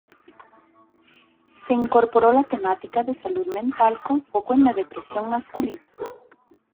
Se incorporó la temática de salud mental con foco en la depresión masculina.